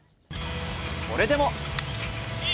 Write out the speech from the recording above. それでも。